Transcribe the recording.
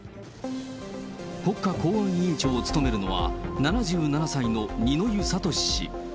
国家公安委員長を務めるのは７７歳の二之湯智氏。